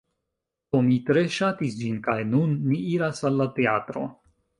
Do, mi tre ŝatis ĝin kaj nun ni iras al la teatro